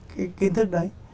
cái kiến thức đấy